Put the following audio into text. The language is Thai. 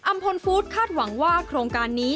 พลฟู้ดคาดหวังว่าโครงการนี้